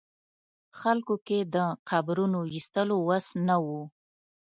خلکو کې د قبرونو ویستلو وس نه و.